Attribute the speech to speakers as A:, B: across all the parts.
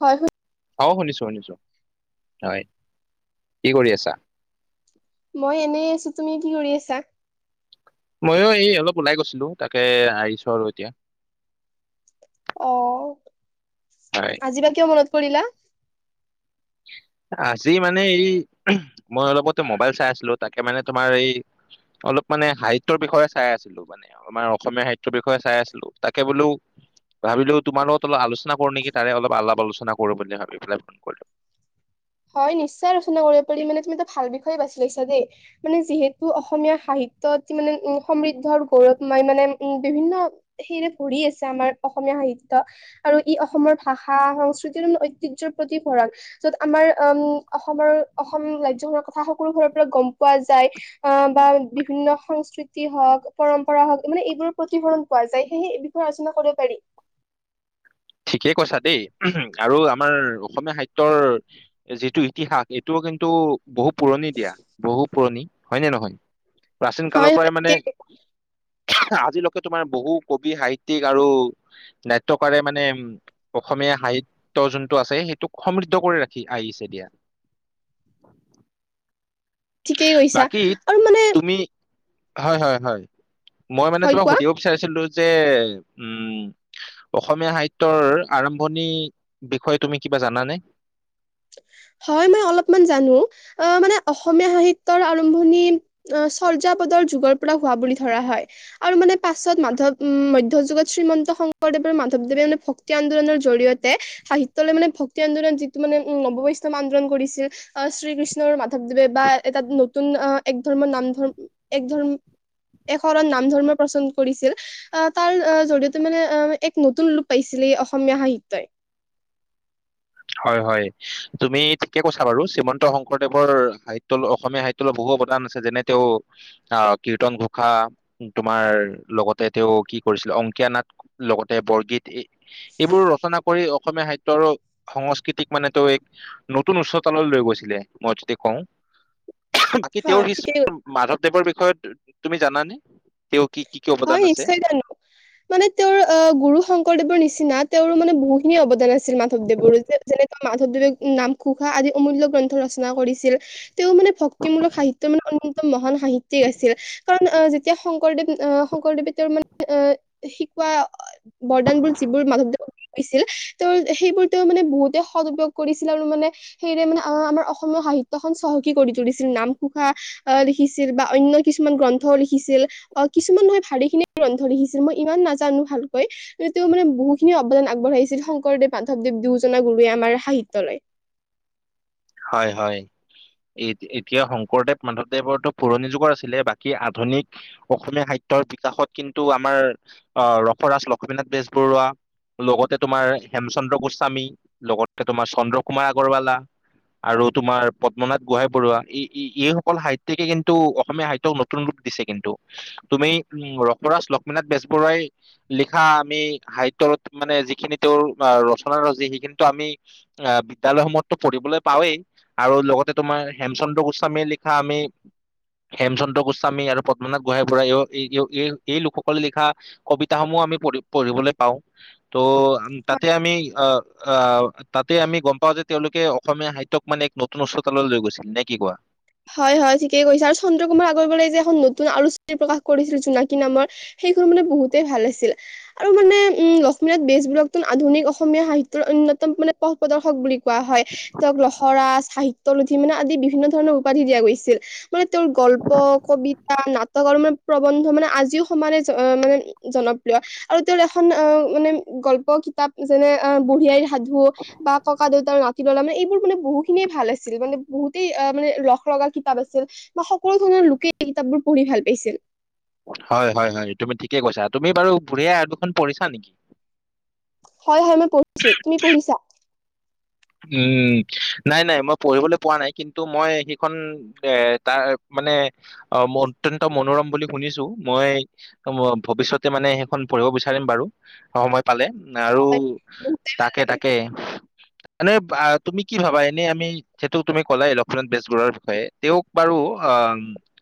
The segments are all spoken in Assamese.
A: হয়, হয়।
B: অ' শুনিছোঁ, শুনিছোঁ হয় কি কৰি আছা?
A: মই এনেই আছোঁ। তুমি কি কৰি আছা?
B: মইয়ো এই অলপ ওলাই গৈছিলো, তাকে আহিছো আৰু এতিয়া।
A: অঁ'।
B: হয়।
A: আজি বা কিয় মনত পৰিলা?
B: আজি মানে এই মই অলপতে মোবাইল চাই আছিলো, তাকে মানে তোমাৰ এই অলপ মানে সাহিত্যৰ বিষয়ে চাই আছিলো মানে। আমাৰ অসমীয়া সাহিত্যৰ বিষয়ে চাই আছিলো। তাকে বোলো ভাবিলোঁ তোমাৰ লগত অলপ আলোচনা কৰো নেকি তাৰে অলপ আলাপ-আলোচনা কৰো বুলি ভাবি পেলাই ফোন কৰিলো।
A: হয়, নিশ্চয় আলোচনা কৰিব পাৰি মানে তুমি এইটো ভাল বিষয় বাছি লৈছা দেই। মানে যিহেতু অসমীয়া সাহিত্যয়ত মানে উম' সমৃদ্ধৰ গৌৰৱময় মানে উম' বিভিন্ন [unintelligible] পঢ়ি আছে আমাৰ অসমীয়া সাহিত্য। আৰু ই অসমৰ ভাষা সংস্কৃতিৰ ঐতিহ্যৰ প্ৰতি ভঁৰাল, য'ত আমাৰ উমঁ' অসমৰ অসম ৰাজ্যখনৰ কথা সকলো ঘৰৰ পৰা গম পোৱা যায়। আহ' বা বিভিন্ন সংস্কৃতি হওঁক, পৰম্পৰা হওঁক মানে এইবোৰৰ প্ৰতিফলন পোৱা যায়। সেইয়েহে কি আছিলে কৈ দিব পাৰি।
B: ঠিকেই কৈছা দেই আৰু আমাৰ অসমীয়া সাহিত্যৰ - যিটো ইতিহাস, এইটোও কিন্তু বহু পুৰণি দিয়া বহু পুৰণি হয় নে নহয় প্ৰাচীন
A: হয়
B: কালৰ
A: হয়
B: পৰাই মানে
A: ঠিকেই
B: [unintelligible] আজিলৈকে তোমাৰ বহু কবি, সাহিতিক আৰু নাট্যকাৰে মানে অসমীয়া সাহিত্য যোনটো আছে, সেইটোক সমৃদ্ধ কৰি ৰাখি আহিছে দিয়া।
A: ঠিকেই কৈছা
B: বাকী
A: আৰু মানে
B: তুমি হয়, হয়, হয়। মই মানে
A: হয়
B: তোমাক
A: কোৱা
B: সুধিব বিচাৰিছিলোঁ যে, উম অসমীয়া সাহিত্যৰ আৰম্ভণিৰ বিষয়ে তুমি কিবা জানানে?
A: হয়, মই অলপমান জানোঁ। অ' মানে অসমীয়া সাহিত্যৰ আৰম্ভণি চৰ্যাপদৰ যুগৰ পৰা হোৱা বুলি ধৰা হয়। আৰু মানে পাছত মাধৱ উম, মধ্য যুগত শ্ৰীমন্ত শংকৰদেৱ আৰু মাধৱদেৱে মানে ভক্ত- ভক্তি আন্দোলনৰ জৰিয়তে সাহিত্যলৈ মানে ভক্তি আন্দোলন যিটো মানে উম বৈষ্ণৱ আন্দোল কৰিছিল অঁহ শ্ৰীকৃষ্ণ আৰু মাধৱদেৱে বা এটা নতুন আহ এক ধৰ্মৰ নাম ধৰ্ম এক ধৰ্ম একশৰণ নাম ধৰ্ম প্ৰচলন কৰিছিল। আহ তাৰ জৰিয়তে মানে আহ এক নতুন ৰূপ পাইছিল এই অসমীয়া সাহিত্যই।
B: হয় হয় তুমি ঠিকে কৈছা বাৰু শ্ৰীমন্ত শংকৰদেৱৰ সাহিত্য অসমীয়া সাহিত্য বহু অৱদান আছে, যেনে তেওঁ আ কীৰ্তন ঘোষা। তোমাৰ লগতে তেওঁ কি কৰিছিল অংকীয়া নাট লগতে বৰগীত এই এইবোৰ ৰচনা কৰি অসমীয়া সাহিত্যৰো, সংস্কৃতিক মানে তেওঁ এক নতুন উচ্চতালৈ গৈছিলে, মই যদি কওঁ। বাকী
A: হয়
B: তেওঁৰ শিষ্য
A: ঠিকেই কৈছে।
B: মাধৱদেৱৰ বিষয়ে তুমি জানানে? তেওঁ কি কি কি অৱদান
A: হয়
B: আছে
A: নিশ্চয় জানো। মানে তেওঁৰ আ গুৰু শংকৰদেৱৰ নিচিনা তেওঁৰো মানে বহুখিনি অৱদান আছে। মাধৱদেৱৰো, যে যেনেকে মাধৱদেৱে নাম ঘোষা আদি অমূল্য গ্ৰন্থ ৰচনা কৰিছিল। তেওঁ মানে ভক্তিমূলক সাহিত্যৰ মানে অন্যতম মহান সাহিত্যিক আছিল। কাৰণ আহ, যেতিয়া শংকৰদেৱ অঁহ শংকৰদেৱে তেওঁৰ মানে অ' শিকোৱা বৰদানবোৰ যিবোৰ মাধৱদেৱ হৈছিল, তেওঁৰ সেইবোৰ তেওঁ মানে বহুতে সদ প্ৰয়োগ কৰিছিল আৰু মানে সেইয়েৰে মানে আ' আমাৰ অসমীয়া সাহিত্যখন চহকী কৰি তুলিছিল নামঘোষা আহ' লিখিছিল বা অন্য কিছুমান গ্ৰন্থও লিখিছিল। অঁ' কিছুমান নহয় ভালেখিনিয়ে গ্ৰন্ধ লিখিছিল মই ইমান নাজানোঁ ভালকৈ। তেওঁ মানে বহুখিনি অৱদান আগবঢ়াইছিল শংকৰদেৱ মাধৱদেৱ দুয়োজনা গুৰুৱে আমাৰ সাহিত্যলৈ।
B: হয়-হয়। এতিয়া শংকৰদেৱ মাধৱদেৱৰতো পুৰণি যুগৰ আছিলে। বাকী আধুনিক অসমীয়া সাহিত্যৰ বিকাশত কিন্তু আমাৰ আহ' ৰসৰাজ লক্ষ্মীনাথ বেজবৰুৱা লগতে তোমাৰ হেমচন্দ্ৰ গোস্বামী, লগতে তোমাৰ চন্দ্ৰ কুমাৰ আগৰৱালা আৰু তোমাৰ পদ্মনাথ গোহাঁই বৰুৱা এই, এই এইসকল সাহিত্যিকে কিন্তু অসমীয়া সাহিত্যক ন তুন ৰূপ দিছে কিন্তু। তুমি উমঁ' ৰসৰাজ লক্ষ্মীনাথ বেজবৰুৱাই লিখা আমি সাহিত্যত মানে যিখিনি তেওঁৰ ৰচনাৰজি সেইখিনিতো আমি আহ' বিদ্যালয়সমূতো পঢ়িবলৈ পাওঁৱেই আৰু লগতে তোমাৰ হেমচন্দ্ৰ গোস্বামীৰ লিখা আমি হেম চন্দ্ৰ গোস্বামী আৰু পদ্মনাথ গোহাঁই বৰুৱাইও এই লোকসকলে লিখা কবিতাসমূহ আমি পঢ়ি পঢ়িবলৈ পাওঁ, ত' তাতে আমি অ', অ' তাতে আমি গম পাওঁ যে তেওঁলো কে অসমীয়া সাহিত্যক মানে এক নতুন উচ্চতালৈ লৈ গৈছিল। নে কি কোৱা?
A: হয়-হয়, ঠিকেই কৈছা আৰু চন্দ্ৰ কুমাৰ আগৰৱালাই যে এখন নতুন আলোচনী প্ৰকাশ কৰিছিল জোনাকী নামৰ সেইখন মানে বহুতেই ভাল আছিল। আৰু মানে উমঁ' লক্ষ্মীনাথ বেজবৰুৱাকতো আধুনিক অসমীয়া সাহিত্যৰ অন্যতম মানে পথ প্ৰদৰ্শক বুলি কোৱা হয়। তেওঁক ৰসৰাজ, সাহিত্যৰথী মানে আদি বিভিন্ন ধৰণৰ উপাধি দিয়া গৈছিল। মানে তেওঁৰ গল্প কবিতা নাটক আৰু মানে প্ৰবন্ধ মানে আজিও সমানে মানে জনপ্ৰিয় আৰু তেওঁৰ এখন অ' মানে গল্প কিতাপ যেনে অ' বুঢ়ী আইৰ সাধু বা ককা দেউতাৰ নাতি ল'ৰা মানে এইবোৰ মানে বহুখিনিয়ে ভাল আছিল মানে বহুতেই আহ' মানে ৰস লগা কিতাপ আছিল বা সকলো ধৰণৰ লোকে এই কিতাপ বোৰ পঢ়ি ভাল পাইছিল।
B: হয় হয় হয়, তুমি ঠিকে কৈছা। তুমি বাৰু বুঢ়ী আইৰ সাধুখন পঢ়িছা নেকি?
A: হয় হয়, মই পঢ়িছোঁ, তুমি পঢ়িছা?
B: উমঁ' নাই নাই মই পঢ়িবলৈ পোৱা নাই, কিন্তু মই সেইখন এ তাৰমানে অ' অত্যন্ত মনোৰম বুলি শুনিছোঁ, মই ত ময় ভৱিষ্যতে মানে সেইখন পঢ়িব বিচাৰিম বাৰু। সময় পালে আৰু
A: হয় বহুত
B: তাকে
A: লাগে
B: তাকে। এনে তুমি কি ভাবা, এনেই আমি যিহেতু তুমি ক'লাই লক্ষ্মনাথ বেজবৰুৱাৰ বিষয়ে? তেওঁক বাৰু আহ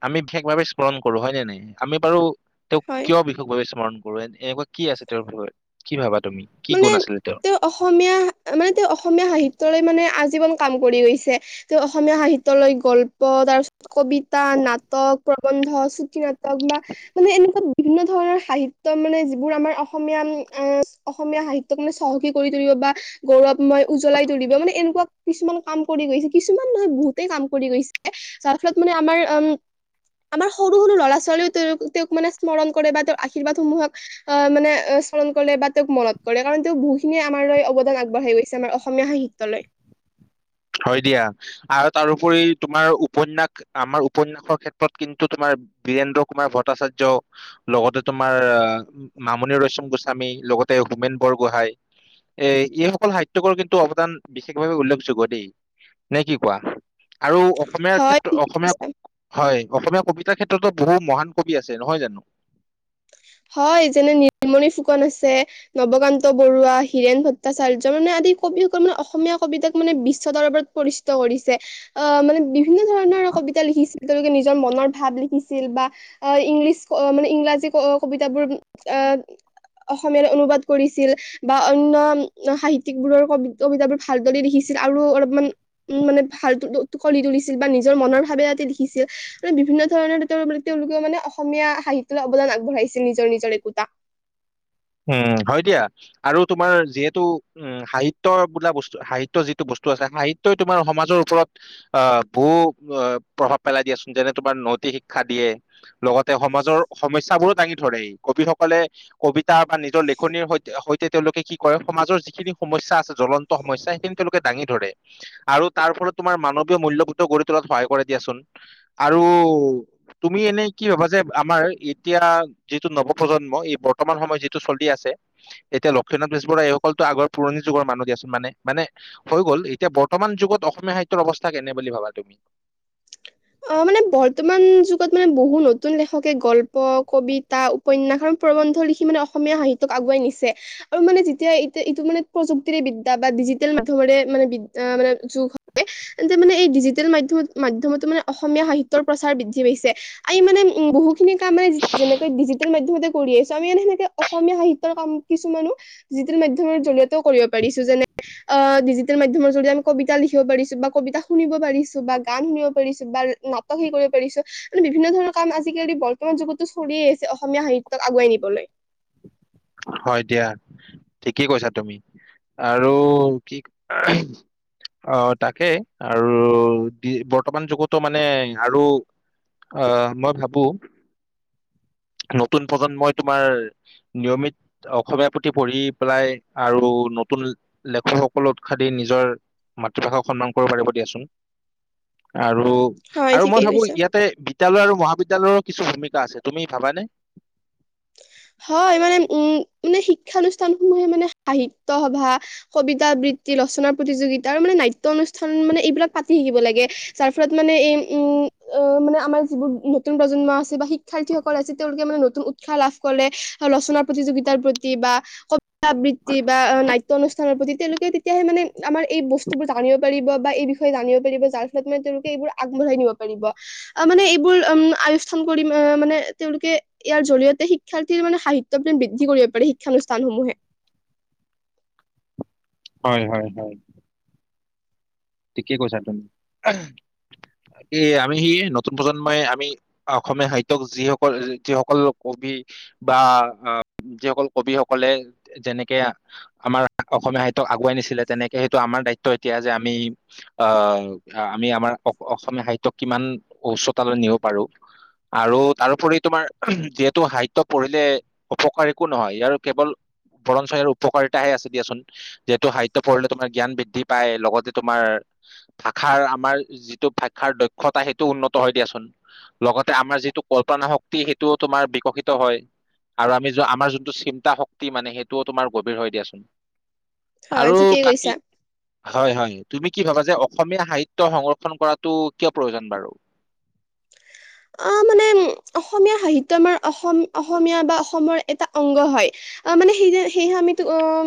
B: আমি বিশেষভাৱে স্মৰণ কৰোঁ হয় নে নাই? আমি বাৰু- তেওঁক
A: হয়
B: কিয় বিশেষভাৱে স্মৰণ কৰোঁ? এনেকুৱা কি আছে তেওঁৰ বিষয়ে? কি ভাবা তুমি? কি
A: মানে
B: গুণ আছিলে তেওঁৰ?
A: তেওঁ অসমীয়া মানে তেওঁ অসমীয়া সাহিত্যৰে মানে আজীৱন কাম কৰি গৈছে। তেওঁ অসমীয়া সাহিত্যলৈ গল্প তাৰপিছত কবিতা, নাটক- প্ৰবন্ধ চুটি নাটক বা- মানে এনেকুৱা বিভিন্ন ধৰণৰ সাহিত্য মানে যিবোৰ আমাৰ অসমীয়া অঁ- অসমীয়া সাহিত্যক মানে চহকী কৰি তুলিব বা- গৌৰৱময় উজ্বলাই তুলিব। মানে এনেকুৱা কিছুমান কাম কৰি গৈছে, কিছুমান নহয় বহুতেই কাম কৰি গৈছে- যাৰ ফলত মানে আমাৰ অম- আমাৰ সৰু, সৰু ল'ৰা ছোৱালীয়েও তেওঁ তেওঁক মানে স্মৰণ কৰে বা তেওঁৰ আশীৰ্বাদ সমূহক- আহ মানে স্মৰণ কৰিলে বাট- তেওঁক মনত পৰে, কাৰণ তেওঁক বহুখিনিয়ে আমালে অৱদান আগবাঢ়াই গৈছে আমাৰ অসমীয়া সাহিত্যলৈ।
B: হয় দিয়া, আৰু তাৰোপৰি তোমাৰ উপন্যাস আমাৰ উপন্যাসৰ ক্ষেত্ৰত কিন্তু তোমাৰ- বীৰেন্দ্ৰ কুমাৰ ভট্টাচাৰ্য- লগতে তোমাৰ মামনি ৰয়চম গোস্বামী লগতে হোমেন বৰগোহাঁই- এই এইসকল সাহ্যিতকৰ কিন্তু অৱদান বিশেষভাৱে উল্লেখযোগ্য দেই। নে কি কোৱা? আৰু অসমীয়াৰ
A: হয়
B: ক্ষেত্ৰত
A: ঠিক কৈছা।
B: অসমীয়া- হয়, অসমীয়া কবিতাৰ ক্ষেত্ৰতো বহু মহান কবি আছে নহয় জানো?
A: হয়, যেনে নিলমণি ফুকন আছে। নৱকান্ত বৰুৱা, হীৰেণ ভট্টাচাৰ্য, মানে আদি কবিসকল মানে অসমীয়া কবিতাক মানে বিশ্ব দৰবাৰত- পৰিচিত কৰিছে, আহ মানে বিভিন্ন ধৰণৰ কবিতা লিখিছে। তেওঁলোকে নিজৰ মনৰ ভাৱ লিখিছিল বা ইংলিছ মানে ইংৰাজী ক- কবিতাবোৰ আহ, অসমীয়ালৈ অনুবাদ কৰিছিল। বা অন্য সাহিত্যিক বোৰৰ ক, কবিতাবোৰ ভালদৰে লিখিছিল আৰু অলপমান- উম, মানে ভালটো লিখি তুলিছিল বা নিজৰ মনৰ ভাৱে তাতে লিখিছিল। মানে বিভিন্ন ধৰণৰ তেওঁ তেওঁলোকে মানে অসমীয়া সাহিত্যলে অৱদান আগবঢ়াইছিল নিজৰ নিজৰ একোটা।
B: উম, হয় দিয়া আৰু তোমাৰ যিহেতু- উম, সাহিত্য বোলা বস্তু সাহিত্য যিটো বস্তু আছে, সাহিত্যই তোমাৰ সমাজৰ ওপৰত- আহ, বহু প্ৰভাৱ পেলাই দিয়াচোন, যেনে তোমাৰ নতি শিক্ষা দিয়ে, - লগতে সমাজৰ সমস্যাবোৰো দাঙি ধৰে, কবি সকলে কবি- তা বা নিজৰ লেখনিৰ সৈতে, সৈতে তেওঁলোকে কি কৰে, সমাজৰ যিখিনি সমস্যা আছে, জ্বলন- ত সমস্যা সেইখিনি তেওঁলোকে দাঙি ধৰে। আৰু তাৰ ফলত তোমাৰ মানৱীয় মূল্যবোধো গঢ়ি তোলাত সহায় কৰে দিয়াচোন, আৰু- তুমি এনেই কি ভাবা যে, আমাৰ এতিয়া যিটো নৱপ্ৰজন্ম, এই বৰ্তমান সময়ত- যিটো চলি আছে, এতিয়া লক্ষ্মীনাথ বেচ বৰুৱা এইসকলটো আগৰ পুৰণি যুগৰ মানুহ দিয়াচোন, মানে মানে- হৈ গল, এতিয়া বৰ্তমান যুগত অসমীয়া সাহিত্যৰ অৱস্থা কেনে বুলি ভাবা তুমি?
A: অঁ মানে বৰ্তমান যুগত মানে, বহু নতুন লেখকে গল্প, কবিতা- উপন্যাসখ আৰু প্ৰবন্ধ লিখি মানে অসমীয়া সাহিত্যক আগুৱাই নিছে। আৰু মানে যেতিয়া এইট এইটো মানে প্ৰযুক্তিৰে বিদ্যা বা ডিজিটেল মাধ্যমৰে মানে বিদ মানে যুগ হয়। তেন্তে মানে এই ডিজিটেল মাধম, মাধ্যমতো মানে- অসমীয়া সাহিত্যৰ প্ৰচাৰ বৃদ্ধি পাইছে, এই মানে উম বহুখিনি কাম মানে, যেনেকৈ ডিজিটেল মাধ্যমতে- কৰি আহিছো, আমি মানে সেনেকে অসমীয়া সাহিত্যৰ কাম কিছুমানো ডিজিটেল মাধ্যমৰ জৰিয়ত- কৰিব পাৰিছো। যেনে অঁ, ডিজিটেল মাধ্যমৰ জৰিয়তে আমি কবিতা লিখিব পাৰিছো বা কবিতা শুনিব পাৰিছোঁ। বা গান শুনিব পাৰিছো বা নাটক শিকিব কৰিব পাৰিছোঁ। মানে বিভিন্ন ধৰনৰ কাম আজিকালি বৰ্তমান যুগতো চলি আহিছে, অসমীয়া সাহিত্যক আগুৱাই নিবলৈ।
B: হয় দিয়া, ঠিকেই কৈছা তুমি আৰু কি- অঁ, তাকেই আৰু বৰ্তমান যুগতো মানে আৰু- অঁ, মই ভাবো নতুন প্ৰজন্মই তোমাৰ নিয়মিত- অসমীয়াৰ প্ৰতি পঢ়ি পেলাই আৰু নতুন লেখকসকল উৎসাহ দি নিজৰ- মাতৃভাষাক সন্মান কৰিব পাৰিব দিয়াচোন আৰু-
A: হয়
B: আৰু মই
A: ঠিকেই
B: ভাবো
A: কৈছা।
B: ইয়াতে বিদ্যালয় আৰু মহাবিদ্যালয়ৰো কিছু ভূমিকা আছে, তুমি ভাবানে?
A: হয়, মানে উম, মানে শিক্ষানুষ্ঠানসমূহে মানে সাহিত্য সভা- কবিতা আবৃত্তি, ৰচনাৰ প্ৰতিযোগিতা আৰু মানে নাট্যৰ অনুষ্ঠান মানে এইবিলাক পাতি আহিব লাগে। যাৰ ফলত মানে এই উম, মানে আমাৰ যিবোৰ নতুন প্ৰজন্ম আছে বা শিক- শিক্ষাৰ্থীসকল আছে, তেওঁলোকে মানে নতুন উৎসাহ লাভ কৰে আৰু ৰচনা প্ৰতিযোগিতাৰ প্ৰতি বা- কবিতা আবৃত্তি বা নাট্য অনুষ্ঠানৰ প্ৰতি তেওঁলোকে- তেতিয়াহে মানে আমাৰ এইস্তুবোৰ জানিব পাৰিব বা এই বিষয়ে জানিব পাৰিব, যাৰ ফলত মানে তেওঁলোকে এইবোৰ আগবঢ়াই নিব- পাৰিব। আ মানে এইবোৰ উম, আ আনুষ্ঠান কৰি মানে, তেওঁলোকে ইয়াৰ জৰিয়তে শি- শিক্ষাৰ্থীৰ মানে সাহিত্য প্ৰেম বৃদ্ধি কৰিব পাৰে, শিক্ষানুষ্ঠানসমূহে।
B: হয়, হয়, হয়। ঠিকে কৈছা তুমি। এ, আমি সেই নতুন প্ৰজন্মই আমি- অসমীয়া সাহিত্যক, যিসকল, যিসকল লোক কবি- বা আহ, যিসকল কবি সকলে যেনেকে- আমাৰ অসমীয়া সাহিত্যক আগুৱাই নিছিলে তেনেকে সেইটো আমাৰ দায়িত্ব এতিয়া যে আমি- আহ আমি আমাৰ অসমীয়া সাহিত্যক কিমান উচ্চতালৈ নিব পাৰোঁ। আৰু তাৰোপৰি তোমাৰ যিহেতু সাহিত্য পঢ়িলে- অপকাৰ একো নহয়, ইয়াৰ কেৱল- বৰঞ্চ ইয়াৰ উপকাৰিতাহে আছে দিয়া চোন। যিহেতু সাহিত্য পঢ়িলে তোমাৰ জ্ঞান বৃদ্ধি পায় লগতে- আমাৰ ভাষাৰ আমাৰ যিটো ভাষাৰ দক্ষতা সেইটো উন্নত হয় দিয়াচোন। লগতে আমাৰ যিটো কল্পনা শক্তি সেইটোও তোমাৰ বিকশিত হয়। আৰু আমি য আমাৰ যোনটো চিন্তা শক্তি মানে সেইটোও তোমাৰ গভীৰ হৈ দিয়াচোন।
A: হয়
B: আৰু
A: ঠিকেই
B: বাকী
A: কৈছা
B: হয়, হয়। তুমি কি ভাবা যে অসমীয়া সাহিত্য সংৰক্ষন কৰাটো কিয় প্ৰয়োজন বাৰু?
A: আহ মানে অসমীয়া সাহিত্য আমাৰ অসম, অসমীয়া বা অসমৰ এটা অংগ হয়। আহ মানে সেই সেহে আমি অঁ,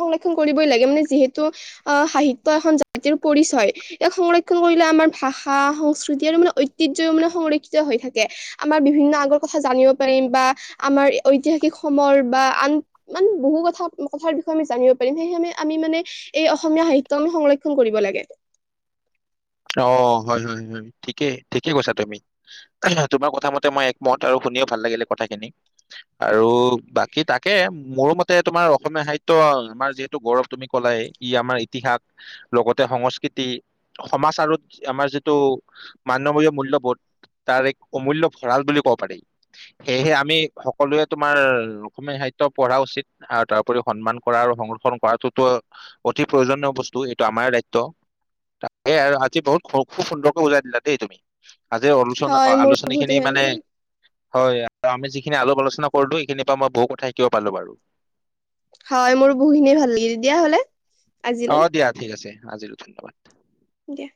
A: সংৰক্ষণ কৰিবই লাগে মানে যিহেতু- আহ সাহিত্য এখন জাতিৰ পৰিচয়। ইয়াক সংৰক্ষণ কৰিলে আমাৰ ভাষা সংস্কৃতি আৰু মানে ঐতিহ্য মানে সংৰক্ষণ হৈ থাকে। আমাৰ বিভিন্ন আগৰ কথা জানিব পাৰিম বা আমাৰ ঐতিহাসিক সমৰ বা আন- মানে বহু কথা কথাৰ বিষয়ে আমি জানিব পাৰিম। সেইয়েহে আমি মানে- এই অসমীয়া সাহিত্য আমি সংৰক্ষণ কৰিব লাগে।
B: অঁ, হয়, হয়, হয়। ঠিকেই, ঠিকে কৈছা তুমি। তোমাৰ কথা মতে মই একমত আৰু শুনিও ভাল লাগিলে কথাখিনি। আৰু বাকী তাকে মোৰো মতে তোমাৰ অসমীয়া সাহিত্য আমাৰ যিহেতু গৌৰৱ- কলাই, ই আমাৰ ইতিহাস লগতে সংস্কৃতি- সমাজ আৰু আমাৰ যিটো মানৱীয় মূল্যবোধ- তাৰ এক অমূল্য ভঁৰাাল বুলি ক'ব পাৰি। সেইয়েহে আমি সকলোৱে তোমাৰ অসমীয়া সাহিত্য পঢ়া উচিত। আৰু তাৰোপৰি সন্মান কৰা আৰু সংৰক্ষণ কৰাটোতো অতি প্ৰয়োজনীয় বস্তু, এইটো আমাৰ দায়িত্ব। এ আৰু আজি বহুত খুব সুন্দৰকে বুজাই দিলা দেই তুমি? আজিৰ আলোচনা
A: হয় মোৰ
B: আলোচনী
A: বহুতে
B: খিনি
A: ভাল
B: মানে
A: লাগিল
B: হয়। আৰু আমি যিখিনি আলাপ আলোচনা কৰিলো এইখিনিৰ পৰা মই বহু কথা শিকিব পাৰিলোঁ বাৰু।
A: হয়। মোৰ বহুখিনিয়ে ভাল লাগিল তেতিয়া হ'লে। আজিলৈ
B: অ', দিয়া ঠিক আছে আজিলে ধন্যবাদ।
A: দিয়া।